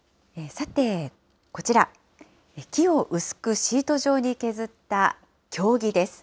さて、こちら、木を薄くシート状に削った経木です。